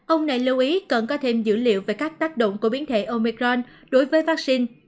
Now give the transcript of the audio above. ông này lưu ý cần có thêm dữ liệu về các tác động của biến thể omicron đối với vaccine